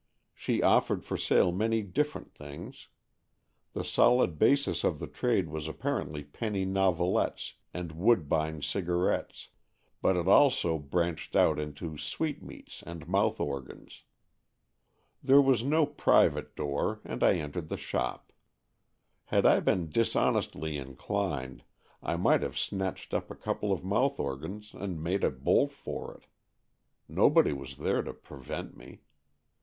She offered for sale many different things. The solid basis of the trade was apparently penny novelettes and Woodbine cigarettes, but it also branched out into sweetmeats and mouth organs. There was no private door, and I entered the shop. Had I been dishonestly inclined, I might have snatched up a couple of mouth organs and made a bolt for it. Nobody was there to prevent me.